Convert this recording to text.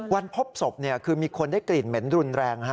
พบศพคือมีคนได้กลิ่นเหม็นรุนแรง